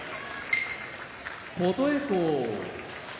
琴恵光